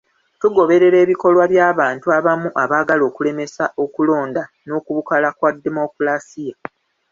Tugoberera ebikolwa by'abantu abamu abaagala okulemesa okulonda n'okubukala kwa demokulaasiya.